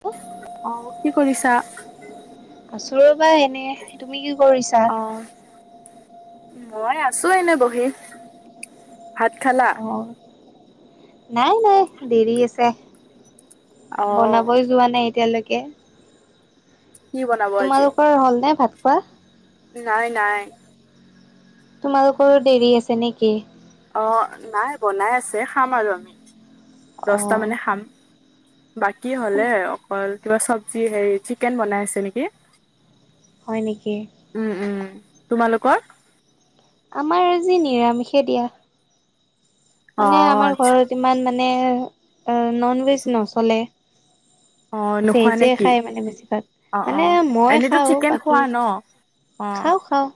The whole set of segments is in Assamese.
পুট অ কি কৰিছা? আছো ৰবা এনে তুমি কি কৰিছা? অ মই আছো এনে বহি। ভাত খালা? অ নাই নাই দেৰি আছে অ বনাবই যোৱা নাই এতিয়ালৈকে। কি বনাব আজি তোমালোকৰ হ'ল নে ভাত খোৱা? নাই নাই। তোমালোকৰো দেৰি আছে নেকি? অ নাই বনাই আছে খাম আৰু আমি অ দহটা মানে খাম। বাকী হলে অকল কিবা চব্জি হেৰি চিকেন বনাই আছে নেকি? হয় নেকি? উম উম। তোমালোকৰ? আমাৰ আজি নিৰামিষে দিয়া। অ মানে আমাৰ আচ্ছা ঘৰত ইমান মানে নন ভেজ আচ্ছা। নচলে। অ নোখোৱা নে ভেজে কি খায় মানে বেছিভাগ অ অ মানে মই এনেতো খাওঁ চিকেন বাকী খোৱা ন অ খাওঁ খাওঁ।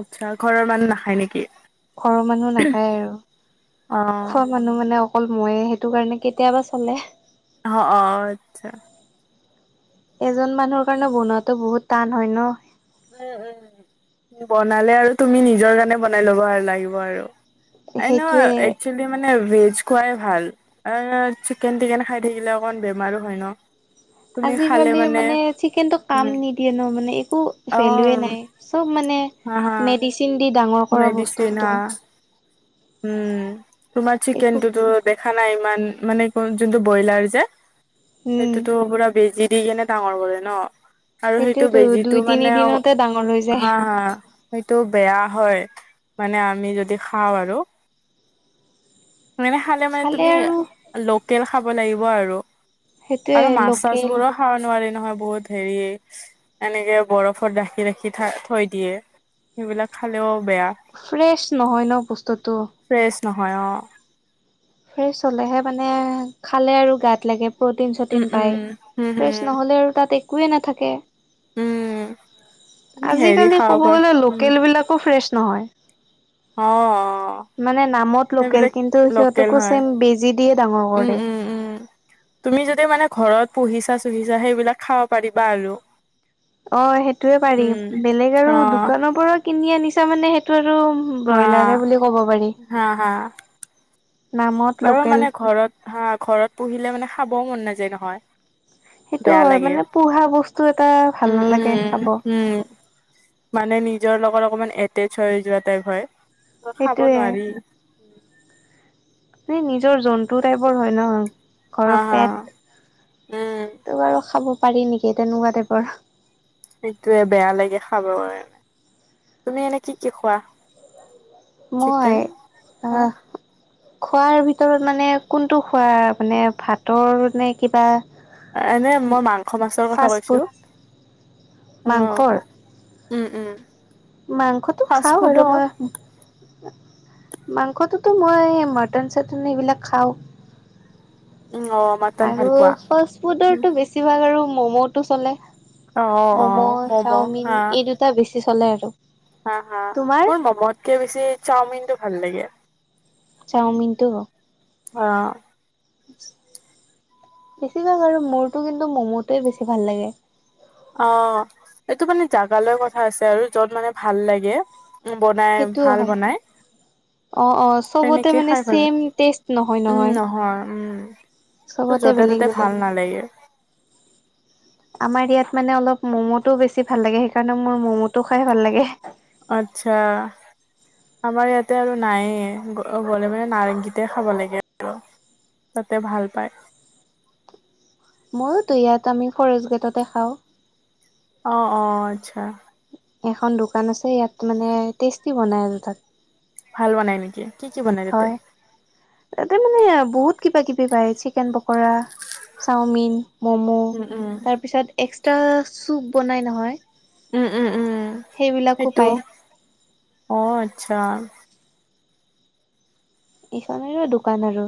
আচ্ছা। ঘৰৰ মানুহ নাখায় নেকি? ঘৰৰ মানুহ নাখায় আৰু। অ খোৱা মানুহ মানে অকল মইয়ে সেইটো কাৰণে কেতিয়াবা চলে। অ' অ' আচ্ছা। এজন মানুহৰ কাৰণে বনোৱাটো বহুত টান হয় ন। উম উম বনালে আৰু তুমি নিজৰ কাৰণে বনাই লব আৰু লাগিব আৰু। আৰু ন সেইটোৱে একচুৱেলি মানে ভেজ খুৱাই ভাল। আ চিকেন টিকেন খাই থাকিলে অকমান বেমাৰো হয় ন। তুমি খালে আজিকালি মানে চিকেনটো কাম উম নিদিয়ে ন মানে একো অ ভেলুৱে নাই, চব মানে হা হা। মেডিচিন দি ডাঙৰ কৰা মেডিচিন হা বস্তুটো। উম। তোমাৰ একো চিকেন টোতো দেখা নাই ইমান মানে যোনটো ব্ৰইলাৰ যে উম সেইটোতো পুৰা বেজি দি কেনে ডাঙৰ কৰে ন। আৰু সেইটো সেইটোয়েতো দুই বেজিটো তিনি মানে দিনতে ডাঙৰ হৈ হা যায় হা সেইটো বেয়া হয়, মানে আমি যদি খাওঁ আৰু। মানে খালে মানে তুমি লোকেল খাব লাগিব আৰু। সেইটোৱে আৰু মাছ চাছ লোকেল বোৰো খাব নোৱাৰি নহয় বহুত হেৰি। এনেকে বৰফত ৰাখি ৰাখি থৈ দিয়ে, সেইবিলাক খালেও বেয়া। ফ্ৰেছ নহয় ন বস্তুটো? ফ্ৰেছ নহয় অঁ। ফ্ৰেছ হলেহে মানে খালে আৰু গাত লাগে। প্ৰ'টিন উম চ'টিন উম পায় হম ফ্ৰেছ হম নহ'লে আৰু তাত একোৱেই নাথাকে। উম তুমি হেৰি আজিকালি খাব ক'ব পাৰা গলে উম লোকেল বিলাকো ফ্ৰেছ নহয়। অঁ। মানে নামত লোকেল কিন্তু লোকেল সিহঁতকো হয় চেম বেজী দিয়ে ডাঙৰ উম কৰে। উম উম তুমি যদি মানে ঘৰত পুহিছা চুহিছা সেইবিলাক খাব পাৰিবা আৰু। অঁ সেইটোয়ে উম পাৰিম বেলেগ অ আৰু দোকানৰ পৰা কিনি আনিছা মানে সেইটো আৰু হা ব্ৰইলাৰে বুলি ক'ব পাৰি। হা হা নামত বাৰু লোকেল মানে ঘৰত হা ঘৰত পুহিলে মানে খাবও মন নাযায় নহয়। সেইটো বেয়া হয় লাগে। মানে পোহা বস্তু এটা ভাল উম, নালাগে খাব উম, উম। মানে নিজৰ লগত অকমান এটেচ হৈ যোৱা টাইপ হয়। খাব সেইটোয়ে নোৱাৰি। মানে নিজৰ জন্তু টাইপৰ হয় ন। হা, ঘৰৰ হা, পেট, উম, ত' বাৰু খাব পাৰি নেকি তেনেকুৱা টাইপৰ। সেইটোয়ে বেয়া লাগে খাব কাৰণে। তুমি এনে কি কি খোৱা? মই চিকেন আ অ', খোৱাৰ ভিতৰত মানে কোনটো খোৱা মানে ভাতৰ নে কিবা? এনে মই মাংস মাছৰ কথা ফাষ্ট কৈছো? ফুড মাংসৰ আহ। উম উম। মাংসটো ফাষ্ট খাও ফুডো বাৰু মই। মাংসটোতো মই মাটান চাটান এইবিলাক খাওঁ। উম অ'। মাটন আৰু ভাল পোৱা? ফাষ্ট ফুডৰটো বেছিভাগ আৰু ম'ম'টো চলে। অ', ম'ম, অ', ম'ম' চাওমিন, এই দুটা বেছি চলে আৰু। হাঁ, হাঁ তোমাৰ? মোৰ ম'মত্কে বেছি চাওমিনটো ভাল লাগে। চাওমিনটো অঁ অঁ। বেছিভাগ আৰু মোৰতো কিন্তু ম'মটোৱে বেছি ভাল লাগে। অঁ, এইটো মানে জাগালৈ কথা আছে আৰু য'ত মানে ভাল লাগে। উম বনাই, সেইটোও ভাল হয় বনাই। অ অ চবতে তেনেকেই মানে খাই ভাল ছেম টেষ্ট নহয় উম, নহয় উম। চবতে বেলেগ য'তে-ত'তে বেলেগ। ভাল নালাগে। আমাৰ ইয়াত মানে অলপ ম'মটো বেছি ভাল লাগে। সেইকাৰণে মোৰ ম'ম'টো খাই ভাল লাগে। আচ্ছা আমাৰ ইয়াতে আৰু নায়েই। গ' গ'লে মানে নাৰাংগিতে খাব লাগে আৰু তাতে ভাল পাই। মইওটো ইয়াত আমি ফৰেষ্ট গেটতে খাওঁ। অঁ, অঁ আচ্ছা। এখন দোকান আছে ইয়াত মানে টেষ্টি বনাই আৰু তাত। ভাল বনাই নেকি? কি কি বনাই তাতে? হয় তাতে মানে, বহুত কিবা-কিবি পায়। চিকেন পকৰা, চাওমিন ম'ম উম উম তাৰপিছতএক্সট্ৰা চুপ বনাই নহয়। উম, উম, উম সেইবিলাকো সেইটো। পায় অঁ--আচ্ছা। এইখনেৰে দোকান আৰু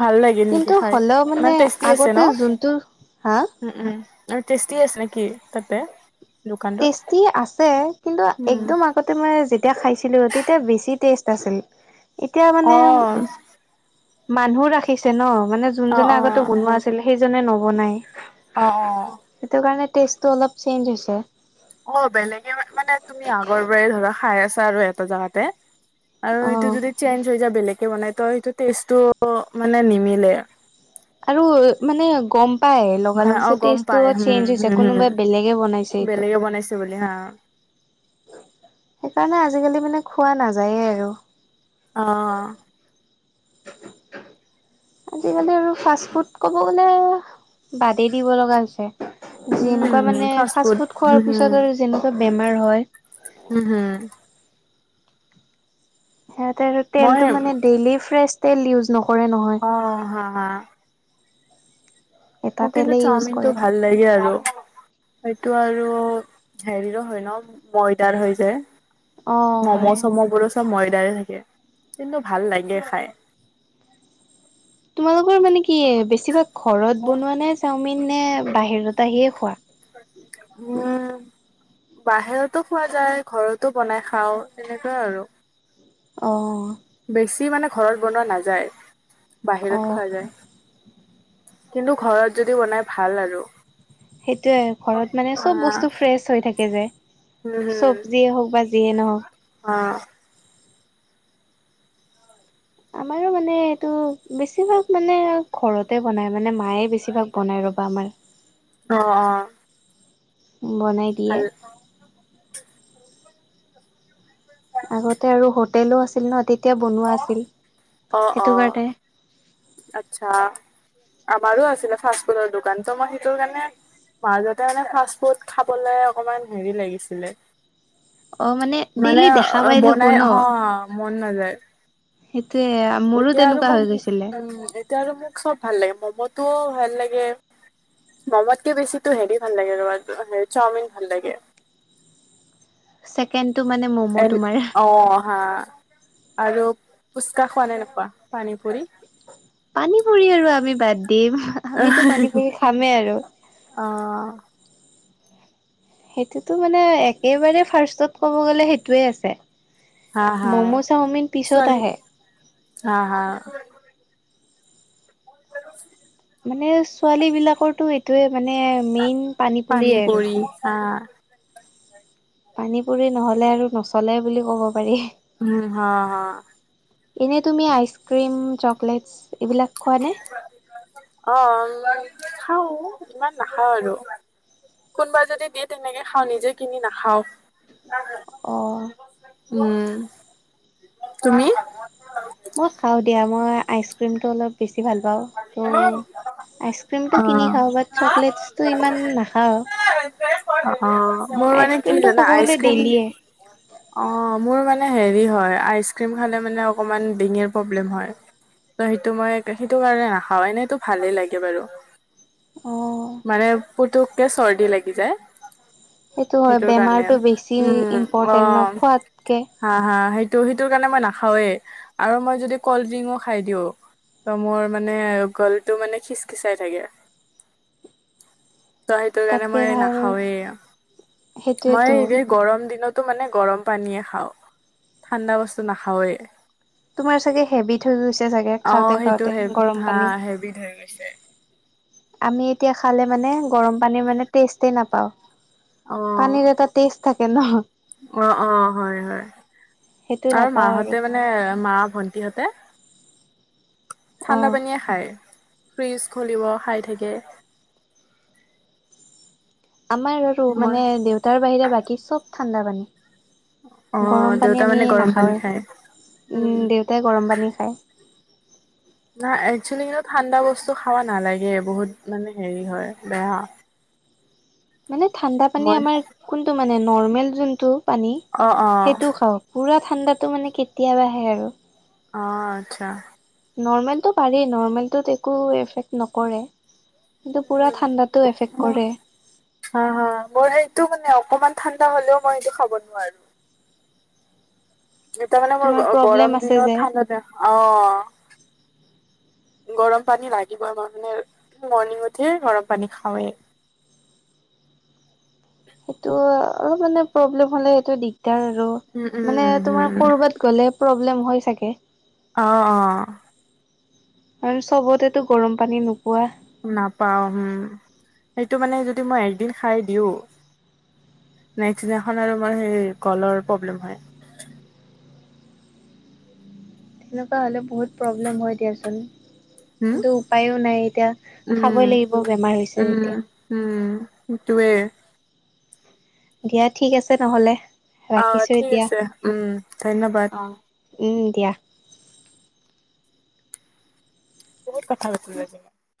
ভাল লাগে নেকি কিন্তু খাই হ'লেও ইমান মানে টেষ্টি আছে আগতে ন যোনটো হাঁ উম, উম আৰু টেষ্টি আছে নেকি তাতে? দোকানটোত? টেষ্টি আছে কিন্তু উম, একদম আগ্ গতে মই যেতিয়া খাইছিলোঁ তেতিয়া বেছি টেষ্ট আছিল। এতিয়া মানে অ, মানুহ ৰাখিছে ন ' মানে অ, যোনজনে অ, আগতে বনোৱা আছিল সেইজনে নবনাই। অঁ, অঁ। সেইটোকাৰণে টেষ্টটো অলপ চেঞ্জ হৈছে। অঁ, বেলেগে মা মানে, তুমি আগৰ পৰাই ধৰা খাই আছা আৰু এটা জাগাত তে আৰু অ এইটো যদি চেঞ্জ হৈ যায়। বেলেগে বনাই ত' সেইটো টেষ্টটো মানে নিমিলে। আৰু অ মানে গম্ পাই লগালগ অ, যে গম টেষ্টো পাই চেঞ্জ হম, হৈছে হম, কোনোবাই বেলেগে বনাইছে এইটো টো বুলি হাঁ। সেইকাৰণে আজিকালি মানে খোৱা নাযায়ে আৰু। অঁ আজি-কালি আৰু ফাৰ্ষ্ট ফুড ক'ব গ'লে বাদেই দিব লগা হৈছে। যেনেকুৱা উম, মানে, ফাষ্ট ফাৰ্ষ্ট ফুড হম, খোৱাৰ পিছত আৰু যেনেকুৱা বেমাৰ হয়। উম, হয়। সিহঁতে আৰু মই তেলটো মানে ডেইলি ফ্ৰেছ তেল ইউজ নক্ হয় ক ' হোৱাখা। এটা মোক কিন্তু তেলেই ইউজ চাওমিনটো কৰে ভাল লাগে আৰু। সেইটো আৰু হেৰিৰ হয় ন' ময়দাৰ হয় যে। অ হয় ম'ম'-চ'ম'বোৰো চব ময়দাৰে থাকে কিন্তু ভাল লাগে খায়। তোমালোকৰ মানে কি বেছিভাগ ঘৰত বনোৱা নে চাওমিন, নে বাহিৰত আহিয়ে খোৱা? উম। বাহিৰতো খোৱা যায় ঘৰতো বনাই খাওঁ তেনেকুৱাই আৰু। অ বেছি মানে ঘৰত বনোৱা নাযায় বাহিৰত অ', খোৱা যায়। কিন্তু ঘৰত যদি বনাই ভাল আৰু। সেইটোয়ে ঘৰত মানে চব অ', বস্তু ফ্ৰেচ হৈ থাকে যে। উম চবজিয়ে হওক বা যিয়ে নহওক। অ আমাৰো মানে এইটো বেছিভাগ মানে ঘৰতে বনাই মানে মায়ে বেছি বেছিভাগ বনাই ৰ'বা আমাৰ অ অ অ বনাই ভাল দিয়ে। আগতে আৰু হোটেলো আছিল ন তেতিয়া বনোৱা আছিল অ অ সেইটো কাৰণে। আচ্ছা আমাৰো আছিলে ফাষ্ট-ফুডৰ দোকান ত মই সেইটো কাৰণে মাজতে মানে ফাষ্ট -ফুড খাবলে অকমান হেৰি লাগিছিলে অ', মানে ডেইলি দেখা পাই থাকো বনাই ন। হ মন নাযায়। এইটোয়ে আ এতিয়া আৰু মই উম এতিয়া আৰু মোক চব ভাল লাগে ম'ম'টোও ভাল লাগে। ম'মতকে বেছিটো হেৰি ভাল লাগে ৰবা তোমাৰ হেৰি চাওমিন ভাল লাগে। ছেকেণ্ড টো মানে ম- এন অ হা আৰু ফুচকা খোৱা নে নোখোৱা পানী পুৰি পানী পুৰি আৰু আমি বাদ দিম অহ আমিতো হি হি পানী হি পুৰি খামেই আৰু। অ সেইটোতো মানে একেবাৰে ফাৰ্ষ্টত ক'ব গ'লে সেইটোৱে আছে। হা হা মম', চাওমিন পিছত ছোৱালী আহে। হা হা [unintelligible] মানে ছোৱালীবিলাকৰটো এইটোৱে মানে মেইন পানী পুৰিয়ে আৰু। পুৰি আ পানী পুৰি নহলে আৰু নচলে বুলি ক'ব পাৰি। উম হা হা এনেই তুমি আইচক্ৰীম, চকলেটছ এইবিলাক খোৱা নে অ উমম খাওঁ ইমান নাখাওঁ আৰু। কোনোবা যদি দিয়ে তেনেকে খাওঁ নিজে কিনি নাখাওঁ। অ উম তুমি মই খাওঁ দিয়া মই আইচ ক্ৰীমটো অলপ বেছি ভাল পাওঁ ত আইচক্ৰীমটো কিনি অ', খাওঁ বাট চকলেটছটো ইমান নাখাওঁ। অ অ মোৰ মানে কি আইচক্ৰীমটো জানা ক'ব আইচ গ'লে ক্ৰীম ডেইলিয়ে অ মোৰ মানে হেৰি হয় আইচক্ৰীম খালে মানে অকমান ডিঙিৰ প্ৰব্লেম হয়। ত সেইটো মই সেইটো কাৰণে নাখাও এনেইটো ভালেই লাগে বাৰু। অ'। মানে পুতুককে চৰ্দি লাগি যায়। হয় সেইটো কাৰণে বেমাৰটো বেছি উম অ। ইম্পৰ্টেণ্ট ন খোৱাতকে হা হা সেইটো সেইটোৰ কাৰণে মই নাখাওঁৱেই আৰু মই যদি কল্ড ড্ৰিংয়ো খাই দিওঁ ত মোৰ মানে গলটো মানে খিচখিচাই থাকে। ত সেইটো কাৰণে তাতকে মই ভাল নাখাওঁৱেই সেইটোয়েতো মই ইৰিফ গৰম দিনতো মানে গৰম পানীয়ে খাওঁ ঠাণ্ডা বস্তু নাখাওৱে। তোমাৰ চাগে হেবিট হৈ গৈছে চাগে খাওঁতে খাওঁতে গৰম পানী। হেবিধ হৈ গৈছে। আমি এতিয়া খালে মানে গৰম পানীৰ মানে টেষ্টেই নাপাওঁ। অ পানীৰ এটা তেজ থাকে ন। অ অ হয় হয় সেইটো নাপাওঁ আৰু। মানে মা ভন্টিহতে অ ঠা্ডা পানীয়ে খায় ফ্ৰিজ খলিব খাই থাকে। আমাৰ আৰু মই মানে দেউতাৰ বাহিৰে বাকী সব ঠাণ্ডা অ পানী। গৰম পানী দেউতা আমি মানে গৰম পানী খায়। উম নাখাওঁৱেই দেউতাই গৰম পানী খায়। নাই একচুৱেলি কিন্তু ঠাণ্ডা বস্তু খাব নালাগে বহুত মানে হেৰি হয় বেয়া। মানে ঠাণ্ডা পানী মই আমাৰ কোনটো মানে নৰ্মেল যোনটো পানী অ অ সেইটোও খাও। পুৰা ঠাণ্ডাটো মানে কেতিয়াবা আহে আৰু। অ আচ্ছা। নৰ্মেলতটো পাৰি নৰ্মেলটোত একো এফেক্ট নকৰে। কিন্তু পুৰা ঠাণ্ডাতো এফেক্ট কৰে। অ হ মোৰ সেইটো মানে অকমান ঠাণ্ডা হলেও মই সটো খাব নোৱাৰো। তাৰ মানে মোৰ তোমাৰ প্ৰব্লেম গৰম আছে দিনত যে ঠাণ্ডা দ অ। গৰম পানী লাগিবই মাৰ মানে মৰ্ণিঙত হে গৰম পানী খাওৱেই। সেইটো অলপ মানে প্ৰব্লেম হলে সেইটো দিগদাৰ আৰু উম মানে উম তোমাৰ হম কৰবাত গ'লে প্ৰব্লেম হৈ চাগে। অ অ আৰু চবতেতো গৰম পানী নোপোৱা। নাপাও হম সেইটো মানে যদি মই একদিন খাই দিও নেক্সট দিনাখন আৰু আমাৰ সেই গলৰ প্ৰব্লেম হয়। তেনেকুৱা হ'লে বহুত প্ৰব্লেম হয় দিয়াচোন। হম কিন্তু উপায়ো নাই এতিয়া খাবই উম লাগিব বেমাৰ হৈছে উম এতিয়া। উম সেইটোৱে। দিয়া ঠিক আছে নহলে। অ ৰাখিছোঁ ঠিক এতিয়া। আছে উম ধন্যবাদ। অ'। উম দিয়া। বহুত কথা পাতিলোঁ আজি মই।